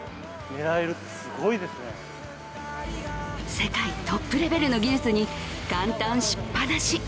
世界トップレベルの技術に感嘆しっぱなし。